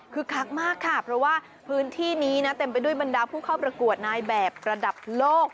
คือคักมากค่ะเพราะว่าพื้นที่นี้นะเต็มไปด้วยบรรดาผู้เข้าประกวดนายแบบระดับโลก